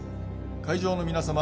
会場の皆様